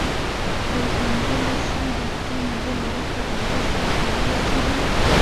تر پنځلس، شل دقیقې مزل وروسته د غره سر ته ورسېدم.